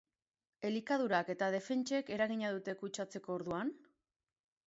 Elikadurak eta defentsek eragina dute kutsatzeko orduan?